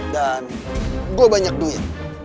dan gue banyak duit